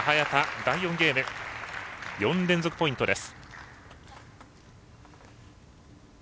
第４ゲーム、４連続ポイントです。